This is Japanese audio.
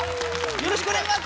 よろしくお願いします